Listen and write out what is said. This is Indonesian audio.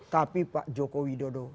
tapi pak joko widodo